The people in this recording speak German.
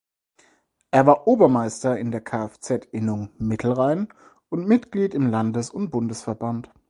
Er war Obermeister in der Kfz-Innung Mittelrhein und Mitglied im Landes- und Bundesverband.